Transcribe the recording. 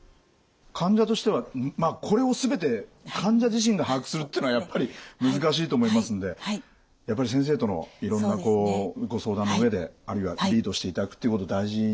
患者としてはこれを全て患者自身が把握するっていうのはやっぱり難しいと思いますんでやっぱり先生とのいろんなご相談の上であるいはリードしていただくっていうこと大事になってきますね。